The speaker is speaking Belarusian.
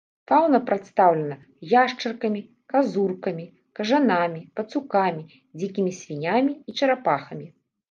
Фаўна прадстаўлена яшчаркамі, казуркамі, кажанамі, пацукамі, дзікімі свіннямі і чарапахамі.